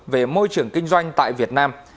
về môi trường kinh doanh tại việt nam